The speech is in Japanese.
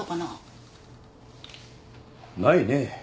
ないね。